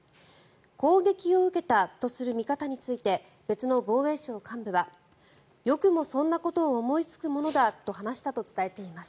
攻撃を受けたとする見方について別の防衛省幹部はよくもそんなことを思いつくものだと話したと伝えています。